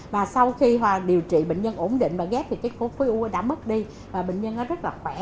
và sau khi điều trị bệnh nhân ổn định và ghép thì cái khối u đã mất đi và bệnh nhân nó rất là khỏe